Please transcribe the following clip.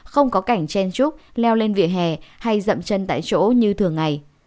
không có cảnh chen chúc leo lên vỉa hè hay dậm chân tại chỗ như thường ngày